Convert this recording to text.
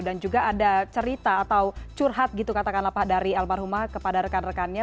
dan juga ada cerita atau curhat gitu katakanlah pak dari almarhumah kepada rekan rekannya